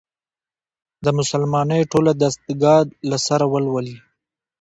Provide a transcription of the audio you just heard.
د «مسلمانۍ ټوله دستګاه» له سره ولولي.